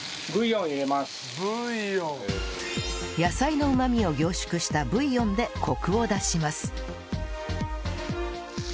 ここで野菜のうまみを凝縮したブイヨンでコクを出します